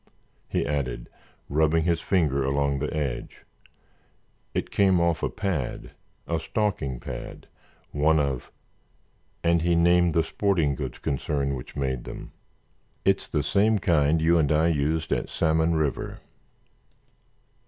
he added, rubbing his finger along the edge, "it came off a pad—a stalking pad—one of——" and he named the sporting goods concern which made them. "It's the same kind you and I used at Salmon River."